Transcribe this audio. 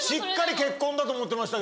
結婚だと思ってましたけど。